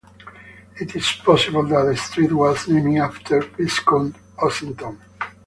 It is possible that the street was named after Viscount Ossington.